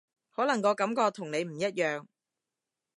可能個感覺同你唔一樣